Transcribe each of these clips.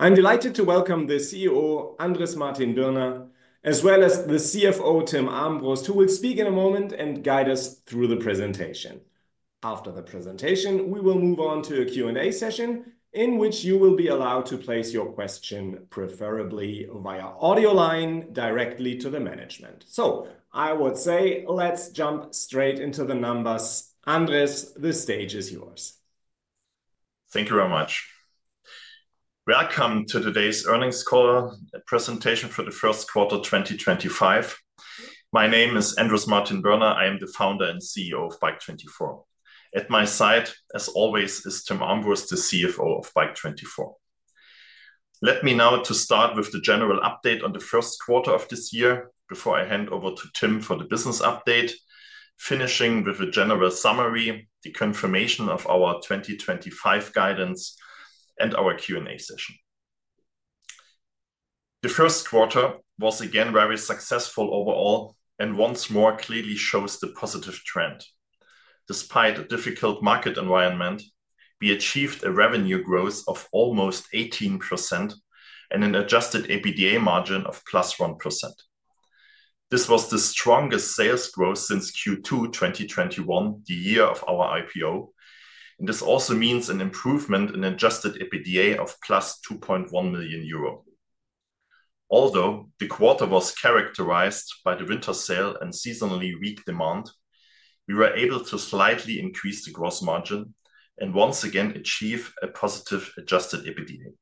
I'm delighted to welcome the CEO, Andrés Martin-Birner, as well as the CFO, Timm Armbrust, who will speak in a moment and guide us through the presentation. After the presentation, we will move on to a Q&A session in which you will be allowed to place your question, preferably via audio line, directly to the management. I would say, let's jump straight into the numbers. Andrés, the stage is yours. Thank you very much. Welcome to today's earnings call, a presentation for the first quarter 2025. My name is Andrés Martin-Birner. I am the Founder and CEO, of Bike24. At my side, as always, is Timm Armbrust, the CFO of Bike24. Let me now start with the general update on the first quarter of this year before I hand over to Timm, for the business update, finishing with a general summary, the confirmation of our 2025 guidance, and our Q&A session. The first quarter was again very successful overall and once more clearly shows the positive trend. Despite a difficult market environment, we achieved a revenue growth of almost 18%, and an adjusted EBITDA margin, of plus 1%. This was the strongest sales growth since Q2 2021, the year of our IPO, and this also means an improvement in adjusted EBITDA, of plus 2.1 million euro. Although the quarter was characterized by the winter sale and seasonally weak demand, we were able to slightly increase the gross margin, and once again achieve a positive adjusted EBITDA.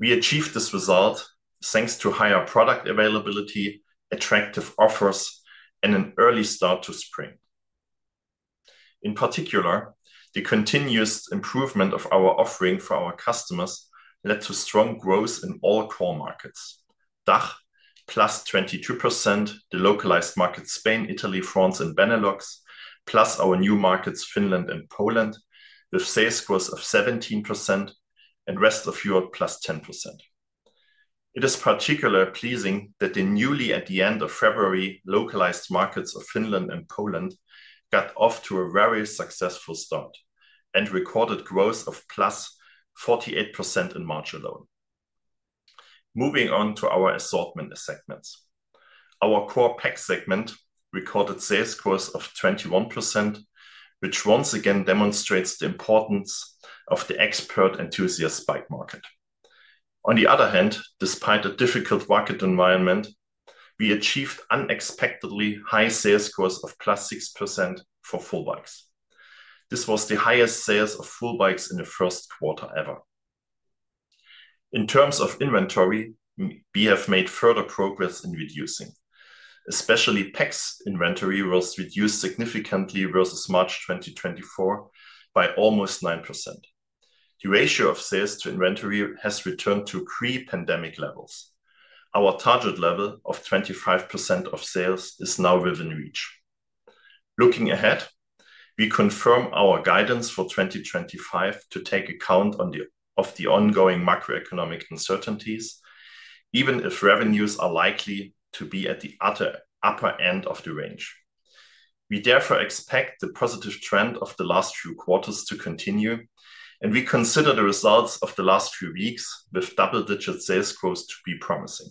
We achieved this result thanks to higher product availability, attractive offers, and an early start to spring. In particular, the continuous improvement of our offering for our customers led to strong growth in all core markets: DACH, plus 22%, the localized markets Spain, Italy, France, and Benelux, plus our new markets Finland and Poland, with sales growth, of 17%, and rest of Europe, plus 10%. It is particularly pleasing that the newly at the end of February, localized markets of Finland and Poland, got off to a very successful start and recorded growth, of plus 48%, in margin alone. Moving on to our assortment segments, our core PAC segment, recorded sales growth, of 21%, which once again demonstrates the importance of the expert enthusiast bike market. On the other hand, despite a difficult market environment, we achieved unexpectedly high sales growth, of plus 6% for full bikes. This was the highest sales of full bikes in the first quarter ever. In terms of inventory, we have made further progress in reducing. Especially PAC inventory, was reduced significantly versus March 2024 by almost 9%. The ratio of sales to inventory, has returned to pre-pandemic levels. Our target level of 25%, of sales, is now within reach. Looking ahead, we confirm our guidance for 2025 to take account of the ongoing macroeconomic uncertainties, even if revenues are likely to be at the upper end of the range. We therefore expect the positive trend of the last few quarters to continue, and we consider the results of the last few weeks with double-digit sales growth to be promising.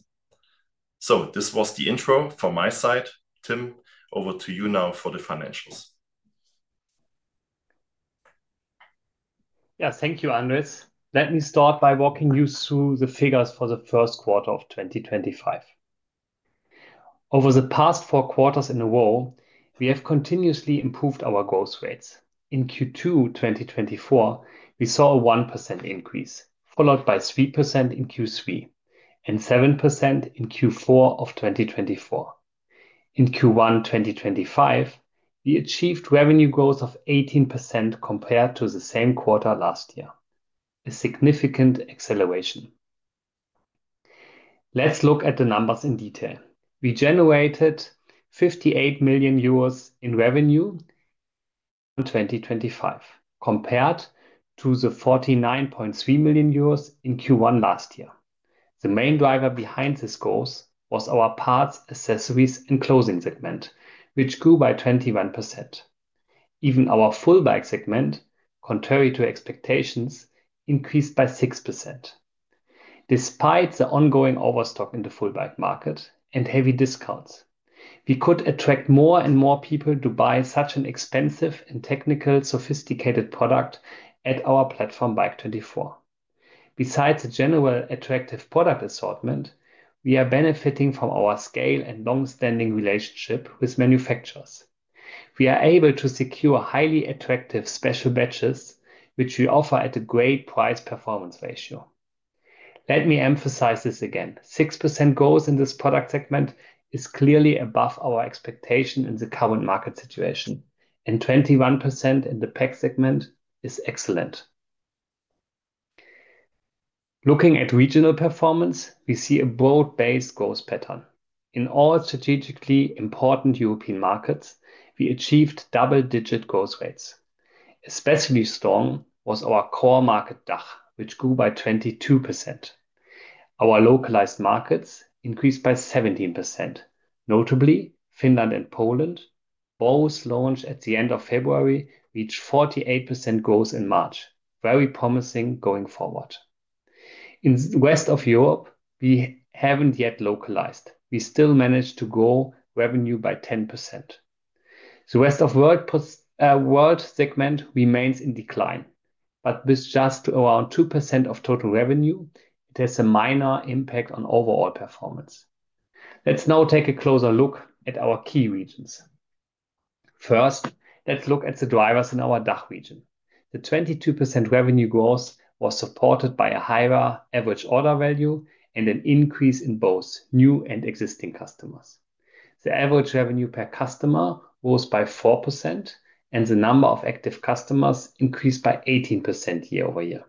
This was the intro from my side. Timm, over to you now for the financials. Yeah, thank you, Andrés. Let me start by walking you through the figures for the first quarter of 2025. Over the past four quarters in a row, we have continuously improved our growth rates. In Q2 2024, we saw a 1% increase, followed by 3%, in Q3 and 7%, in Q4 of 2024. In Q1 2025, we achieved revenue growth, of 18%, compared to the same quarter last year, a significant acceleration. Let's look at the numbers in detail. We generated 58 million euros in revenue, in 2025 compared to the 49.3 million euros in Q1 last year. The main driver behind this growth was our parts, accessories, and clothing segment, which grew by 21%. Even our full bikes segment, contrary to expectations, increased by 6%. Despite the ongoing overstock in the full bike market and heavy discounts, we could attract more and more people to buy such an expensive and technical, sophisticated product at our platform, Bike24. Besides a general attractive product assortment, we are benefiting from our scale and long-standing relationship with manufacturers. We are able to secure highly attractive special batches, which we offer at a great price-performance ratio. Let me emphasize this again. 6% growth, in this product segment, is clearly above our expectation in the current market situation, and 21%, in the PAC segment is excellent. Looking at regional performance, we see a broad-based growth pattern. In all strategically important European markets, we achieved double-digit growth rates. Especially strong was our core market, DACH, which grew by 22%. Our localized markets increased by 17%, notably Finland and Poland. Both launched at the end of February, reached 48% growth in March, very promising going forward. In the rest of Europe, we haven't yet localized. We still managed to grow revenue, by 10%. The rest of the world segment, remains in decline, but with just around 2%, of total revenue, it has a minor impact on overall performance. Let's now take a closer look at our key regions. First, let's look at the drivers in our DACH region. The 22%, revenue growth, was supported by a higher average order value and an increase in both new and existing customers. The average revenue per customer, rose by 4%, and the number of active customers increased by 18%, year over year.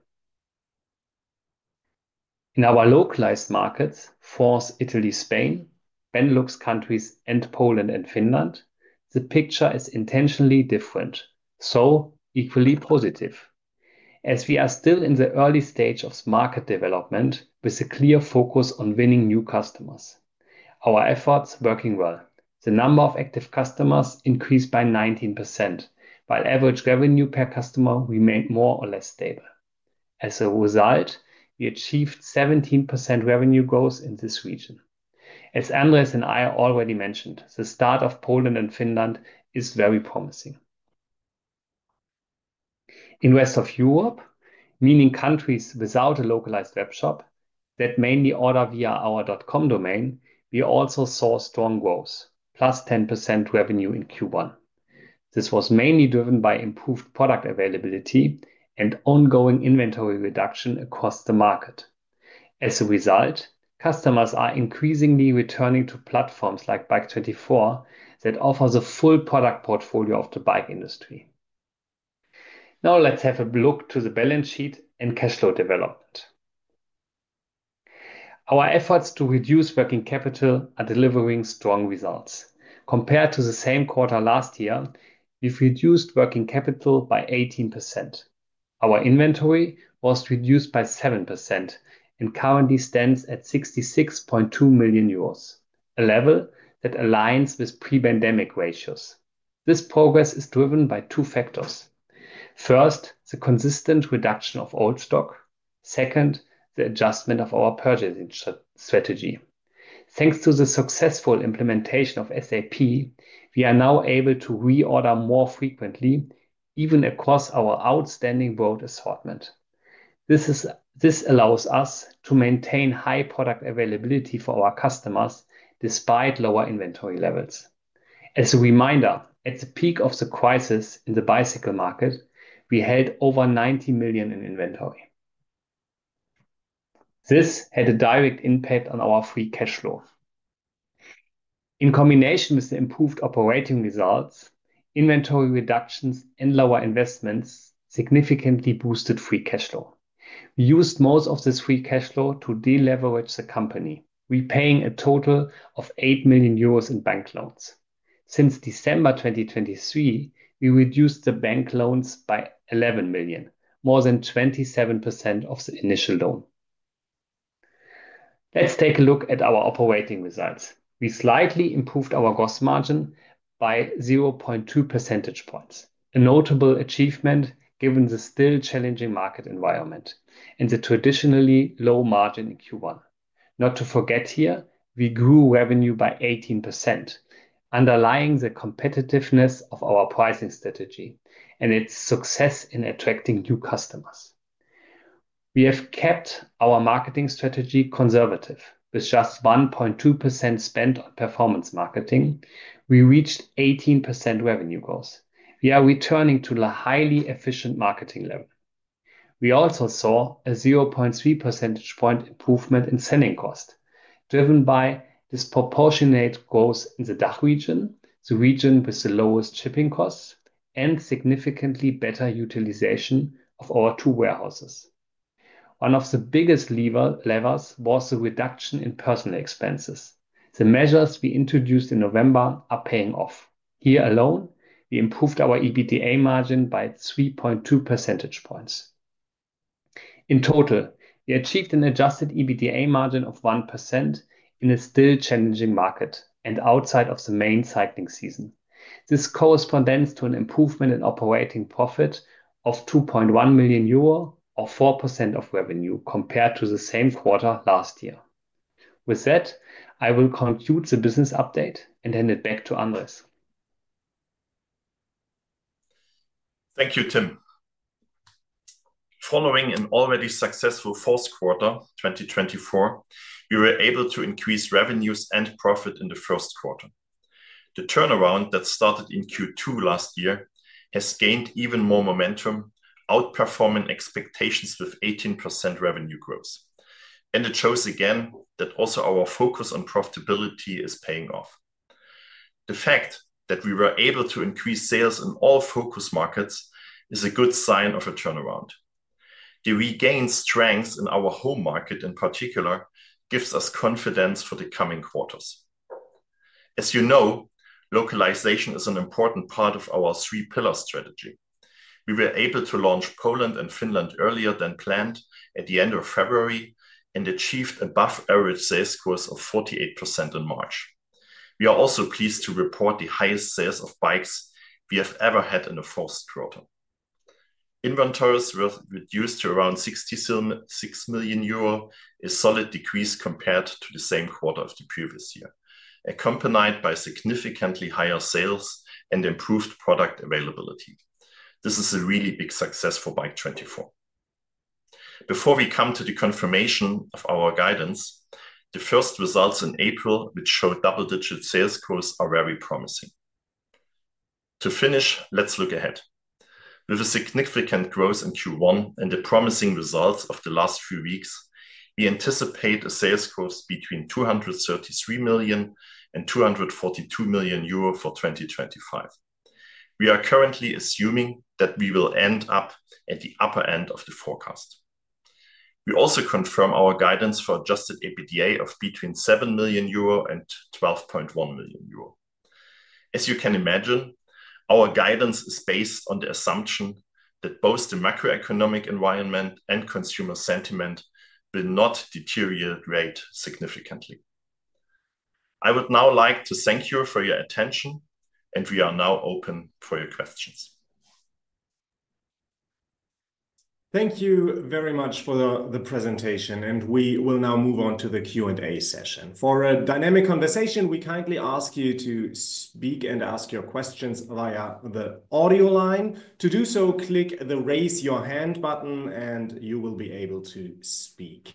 In our localized markets, France, Italy, Spain, Benelux countries, and Poland and Finland, the picture is intentionally different, so equally positive. As we are still in the early stage of market development with a clear focus on winning new customers, our efforts are working well. The number of active customers increased by 19%, while average revenue per customer remained more or less stable. As a result, we achieved 17%, revenue growth, in this region. As Andrés and I already mentioned, the start of Poland and Finland, is very promising. In the rest of Europe, meaning countries without a localized webshop that mainly order via our .com domain, we also saw strong growth, plus 10%, revenue in Q1. This was mainly driven by improved product availability and ongoing inventory reduction across the market. As a result, customers are increasingly returning to platforms like Bike24, that offer the full product portfolio of the bike industry. Now let's have a look at the balance sheet and cash flow development. Our efforts to reduce working capital, are delivering strong results. Compared to the same quarter last year, we've reduced working capital by 18%. Our inventory was reduced by 7%, and currently stands at 66.2 million euros, a level that aligns with pre-pandemic ratios. This progress is driven by two factors. First, the consistent reduction of old stock. Second, the adjustment of our purchasing strategy. Thanks to the successful implementation of SAP, we are now able to reorder more frequently, even across our outstanding road assortment. This allows us to maintain high product availability for our customers despite lower inventory levels. As a reminder, at the peak of the crisis in the bicycle market, we held over 90 million in inventory. This had a direct impact on our free cash flow. In combination with the improved operating results, inventory reductions and lower investments significantly boosted free cash flow. We used most of this free cash flow, to deleverage the company, repaying a total of 8 million euros, in bank loans. Since December 2023, we reduced the bank loans by 11 million, more than 27%, of the initial loan. Let's take a look at our operating results. We slightly improved our gross margin, by 0.2 percentage points, a notable achievement given the still challenging market environment and the traditionally low margin in Q1. Not to forget here, we grew revenue, by 18%, underlying the competitiveness of our pricing strategy and its success in attracting new customers. We have kept our marketing strategy conservative. With just 1.2%, spent on performance marketing, we reached 18%, revenue growth. We are returning to the highly efficient marketing level. We also saw a 0.3 percentage point, improvement in sending cost, driven by disproportionate growth in the DACH region, the region with the lowest shipping costs, and significantly better utilization of our two warehouses. One of the biggest levers was the reduction in personnel expenses. The measures we introduced in November are paying off. Here alone, we improved our EBITDA margin, by 3.2 percentage points. In total, we achieved an adjusted EBITDA margin, of 1%, in a still challenging market and outside of the main cycling season. This corresponds to an improvement in operating profit of 2.1 million euro, or 4% of revenue, compared to the same quarter last year. With that, I will conclude the business update and hand it back to Andrés. Thank you, Timm. Following an already successful fourth quarter 2024, we were able to increase revenues and profit, in the first quarter. The turnaround that started in Q2 last year has gained even more momentum, outperforming expectations with 18%, revenue growth. It shows again that also our focus on profitability is paying off. The fact that we were able to increase sales in all focus markets is a good sign of a turnaround. The regained strength in our home market in particular gives us confidence for the coming quarters. As you know, localization is an important part of our three-pillar strategy. We were able to launch Poland and Finland, earlier than planned at the end of February and achieved above-average sales growth, of 48%, in March. We are also pleased to report the highest sales of bikes we have ever had in the fourth quarter. Inventories were reduced to around 66 million euro, a solid decrease compared to the same quarter of the previous year, accompanied by significantly higher sales and improved product availability. This is a really big success for Bike24. Before we come to the confirmation of our guidance, the first results in April, which showed double-digit sales growth, are very promising. To finish, let's look ahead. With a significant growth in Q1 and the promising results of the last few weeks, we anticipate a sales growth, between 233 million and 242 million euro for 2025. We are currently assuming that we will end up at the upper end of the forecast. We also confirm our guidance for adjusted EBITDA, of between 7 million euro and 12.1 million euro. As you can imagine, our guidance is based on the assumption that both the macroeconomic environment and consumer sentiment will not deteriorate significantly. I would now like to thank you for your attention, and we are now open for your questions. Thank you very much for the presentation, and we will now move on to the Q&A session. For a dynamic conversation, we kindly ask you to speak and ask your questions via the audio line. To do so, click the raise your hand button, and you will be able to speak.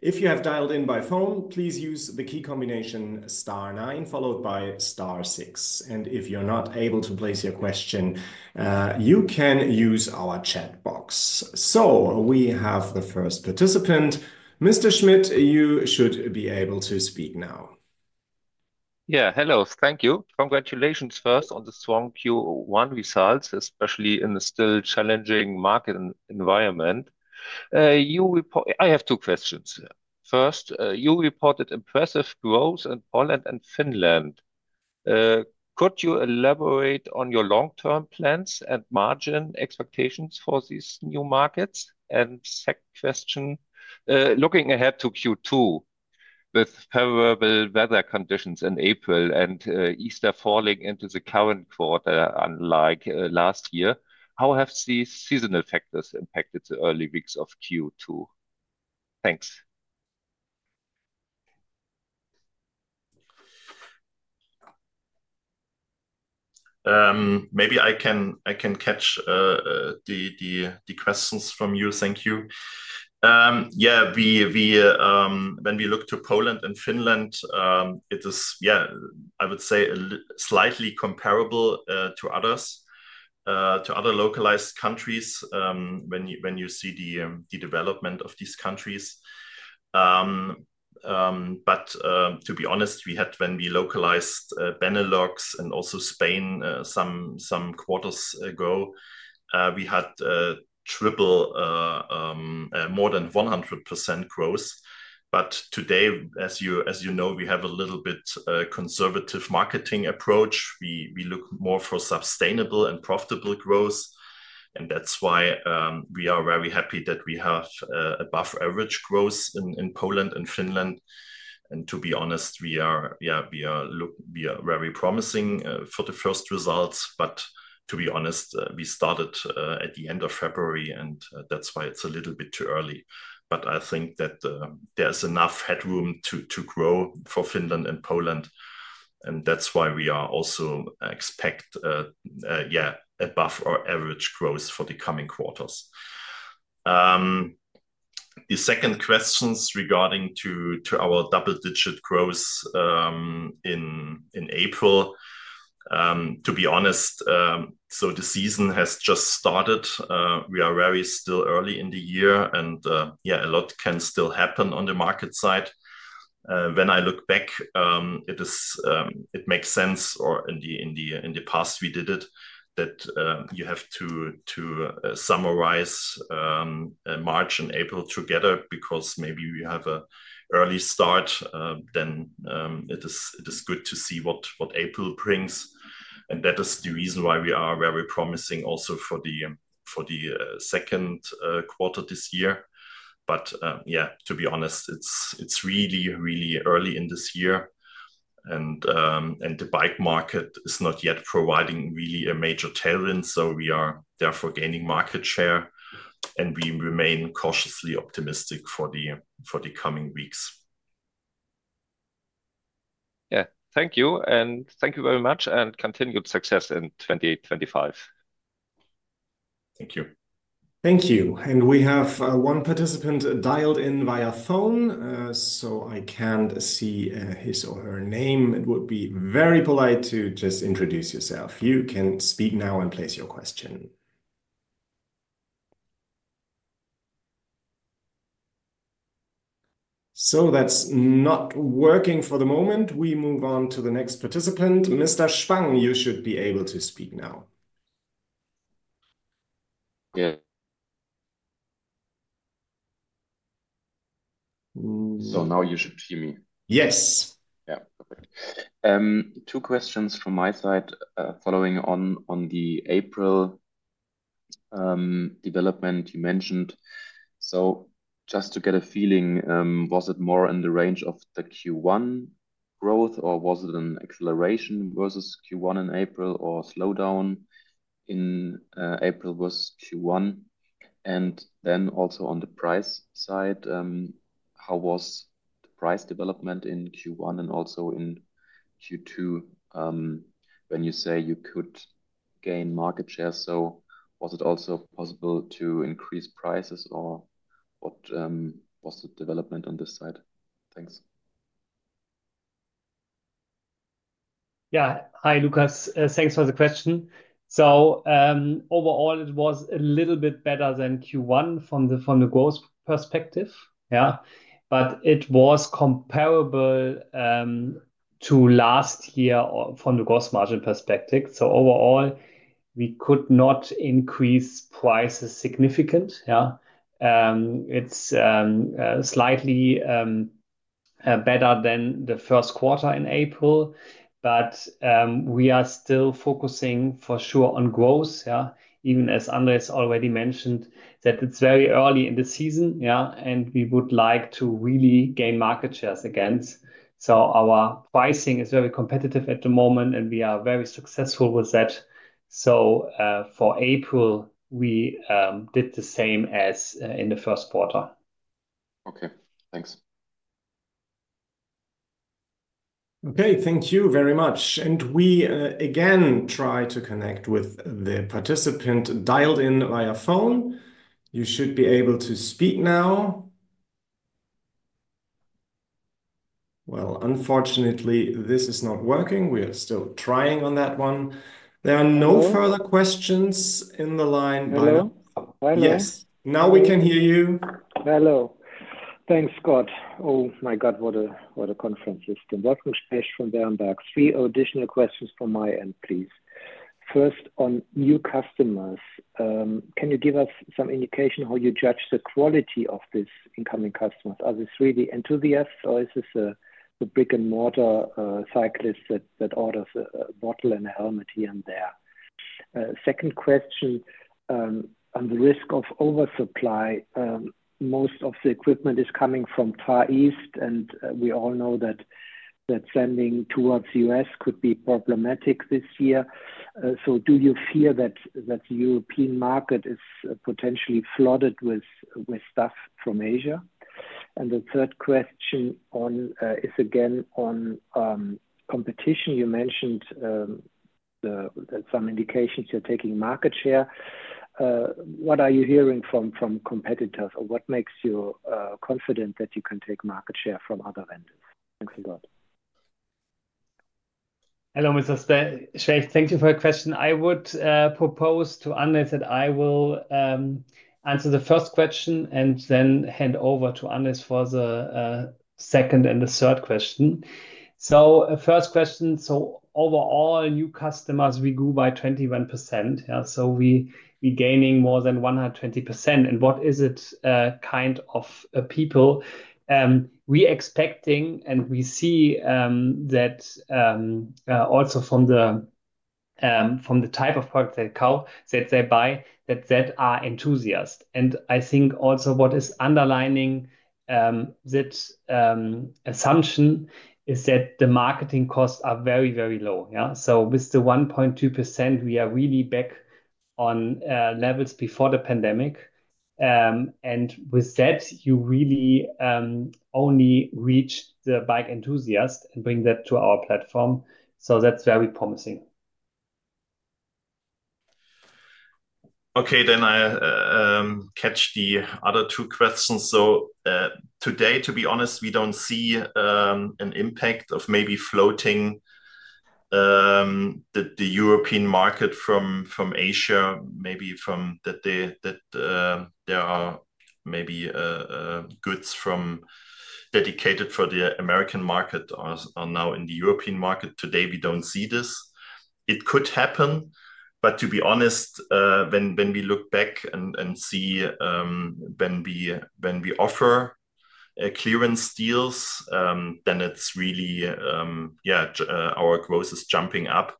If you have dialed in by phone, please use the key combination star 9 followed by star 6. If you're not able to place your question, you can use our chat box. We have the first participant. Mr. Schmidt, you should be able to speak now. Yeah, hello, thank you. Congratulations first on the strong Q1 results, especially in the still challenging market environment. I have two questions. First, you reported impressive growth in Poland and Finland. Could you elaborate on your long-term plans and margin expectations, for these new markets? Second question, looking ahead to Q2 with favorable weather conditions in April and Easter, falling into the current quarter unlike last year, how have these seasonal factors impacted the early weeks of Q2? Thanks. Maybe I can catch the questions from you. Thank you. Yeah, when we look to Poland and Finland, it is, yeah, I would say slightly comparable to other localized countries when you see the development of these countries. To be honest, when we localized Benelux and also Spain some quarters ago, we had triple, more than 100% growth. Today, as you know, we have a little bit conservative marketing approach. We look more for sustainable and profitable growth. That is why we are very happy that we have above-average growth in Poland and Finland. To be honest, we are very promising for the first results. To be honest, we started at the end of February, and that is why it is a little bit too early. I think that there is enough headroom to grow for Finland and Poland. That is why we also expect, yeah, above-average growth for the coming quarters. The second question, is regarding our double-digit growth in April. To be honest, the season has just started. We are still very early in the year, and yeah, a lot can still happen on the market side. When I look back, it makes sense, or in the past we did it, that you have to summarize March and April together, because maybe we have an early start. It is good to see what April brings. That is the reason why we are very promising also for the second quarter this year. Yeah, to be honest, it is really, really early in this year. The bike market, is not yet providing really a major tailwind, so we are therefore gaining market share. We remain cautiously optimistic for the coming weeks. Yeah, thank you. Thank you very much and continued success in 2025. Thank you. Thank you. We have one participant dialed in via phone, so I cannot see his or her name. It would be very polite to just introduce yourself. You can speak now and place your question. That is not working for the moment. We move on to the next participant. Mr. Shuang, you should be able to speak now. Yeah. Now you should hear me. Yes. Yeah, perfect. Two questions from my side. Following on the April development, you mentioned, just to get a feeling, was it more in the range of the Q1 growth, or was it an acceleration versus Q1 in April, or slowdown in April versus Q1? Also, on the price side, how was the price development in Q1 and also in Q2 when you say you could gain market share? Was it also possible to increase prices, or what was the development on this side? Thanks. Yeah, hi, Lukas. Thanks for the question. Overall, it was a little bit better than Q1 from the growth perspective, but it was comparable to last year from the gross margin perspective. Overall, we could not increase prices significantly. It is slightly better than the first quarter in April, but we are still focusing for sure on growth, even as Andrés, already mentioned that it is very early in the season, and we would like to really gain market shares again. Our pricing is very competitive at the moment, and we are very successful with that. For April, we did the same as in the first quarter. Okay, thanks. Okay, thank you very much. We again try to connect with the participant dialed in via phone. You should be able to speak now. Unfortunately, this is not working. We are still trying on that one. There are no further questions in the line. Hello. Yes. Now we can hear you. Hello. Thanks, God. Oh my God, what a conference. Three additional questions from my end, please. First, on new customers, can you give us some indication how you judge the quality of these incoming customers? Are they really enthusiasts, or is this a brick-and-mortar cyclist, that orders a bottle and a helmet here and there? Second question, on the risk of oversupply, most of the equipment is coming from Far East, and we all know that sending towards the U.S. could be problematic this year. Do you fear that the European market, is potentially flooded with stuff from Asia? The third question, is again on competition. You mentioned some indications you're taking market share. What are you hearing from competitors, or what makes you confident that you can take market share from other vendors? Thanks a lot. Hello, Mr. Schmidt. Thank you for your question. I would propose to Andrés, that I will answer the first question and then hand over to Andrés, for the second and the third question. First question, overall, new customers regroup by 21%. We are gaining more than 120%. What is it kind of people we are expecting, and we see that also from the type of product that they buy, that they are enthusiasts. I think also what is underlining that assumption is that the marketing costs are very, very low. With the 1.2%, we are really back on levels before the pandemic. With that, you really only reach the bike enthusiasts and bring that to our platform. That is very promising. Okay, then I catch the other two questions. Today, to be honest, we do not see an impact of maybe floating the European market from Asia, maybe from that there are maybe goods dedicated for the American market, are now in the European market. Today, we do not see this. It could happen, but to be honest, when we look back and see when we offer clearance deals, then it is really, yeah, our growth is jumping up.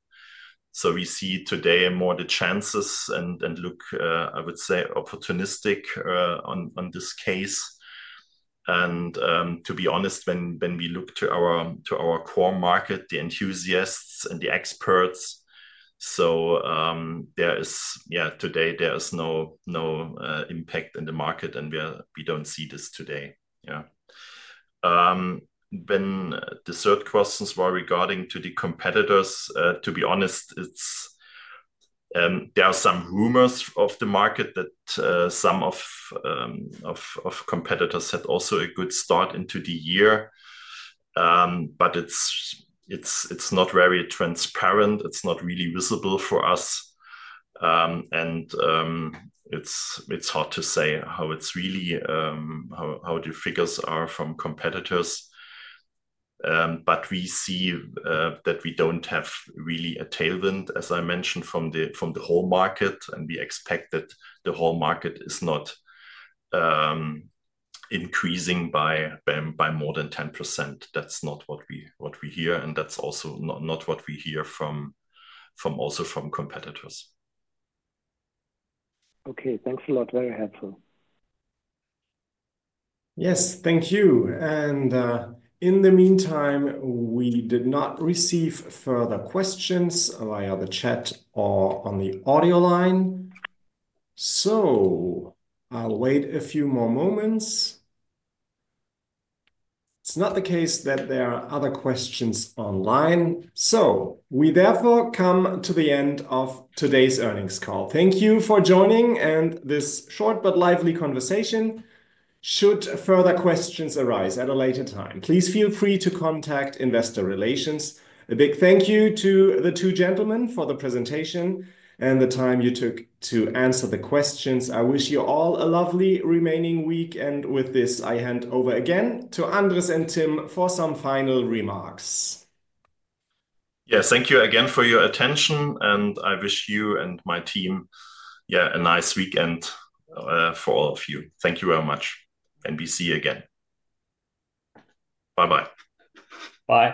We see today more the chances and look, I would say, opportunistic on this case. To be honest, when we look to our core market, the enthusiasts and the experts, so yeah, today there is no impact in the market, and we do not see this today. Yeah. The third question was regarding to the competitors. To be honest, there are some rumors of the market that some of competitors had also a good start into the year, but it's not very transparent. It's not really visible for us. It's hard to say how the figures are from competitors. We see that we don't have really a tailwind, as I mentioned, from the whole market, and we expect that the whole market is not increasing by more than 10%. That's not what we hear, and that's also not what we hear also from competitors. Okay, thanks a lot. Very helpful. Yes, thank you. In the meantime, we did not receive further questions via the chat or on the audio line. I will wait a few more moments. It is not the case that there are other questions online. We therefore come to the end of today's earnings call. Thank you for joining, and this short but lively conversation. Should further questions arise at a later time, please feel free to contact Investor Relations. A big thank you to the two gentlemen for the presentation and the time you took to answer the questions. I wish you all a lovely remaining week. With this, I hand over again to Andrés and Timm, for some final remarks. Yes, thank you again for your attention, and I wish you and my team, yeah, a nice weekend for all of you. Thank you very much, and we see you again. Bye-bye. Bye.